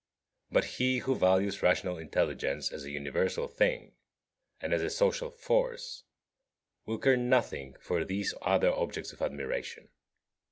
But he who values rational intelligence as a universal thing, and as a social force, will care nothing for these other objects of admiration.